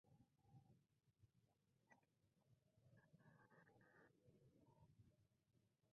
They include both men and women.